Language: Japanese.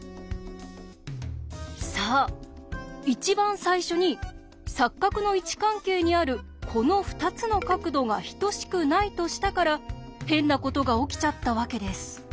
そう一番最初に錯角の位置関係にあるこの２つの角度が等しくないとしたから変なことが起きちゃったわけです。